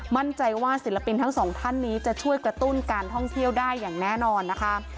มั่นใจว่าศิลปินทั้งสองท่านนี้จะช่วยกระตุ้นการท่องเที่ยวได้อย่างแน่นอนนะคะ